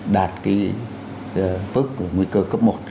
đạt cái phước của nguy cơ cấp một